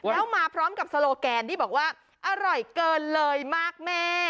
แล้วมาพร้อมกับโซโลแกนที่บอกว่าอร่อยเกินเลยมากแม่